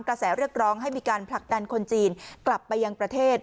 กระแสเรียกร้องให้มีการผลักดันคนจีนกลับไปยังประเทศ